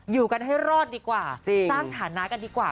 อยู่กันให้รอดดีกว่าสร้างฐานะกันดีกว่า